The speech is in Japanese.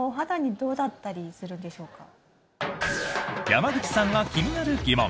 山口さんが気になる疑問。